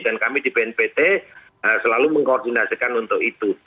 dan kami di bnpt selalu mengkoordinasikan untuk itu